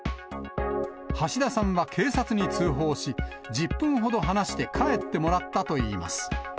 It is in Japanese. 橋田さんは警察に通報し、１０分ほど話して帰ってもらったといいます。